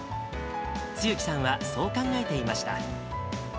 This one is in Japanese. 露木さんはそう考えていました。